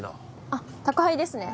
あっ宅配ですね。